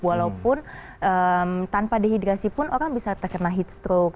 walaupun tanpa dehidrasi pun orang bisa terkena heat stroke